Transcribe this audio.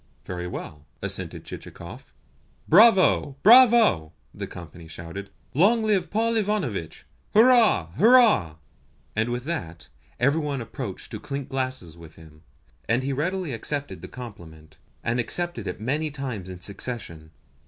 "Very well," assented Chichikov. "Bravo, bravo!" the company shouted. "Long live Paul Ivanovitch! Hurrah! Hurrah!" And with that every one approached to clink glasses with him, and he readily accepted the compliment, and accepted it many times in succession.